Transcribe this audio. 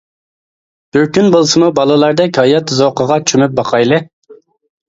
بىر كۈن بولسىمۇ بالىلاردەك ھايات زوقىغا چۆمۈپ باقايلى.